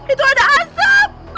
itu ada asap